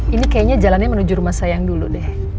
ini kayaknya jalannya menuju rumah sayang dulu deh